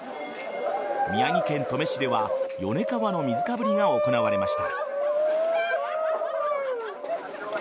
宮城県登米市では米川の水かぶりが行われました。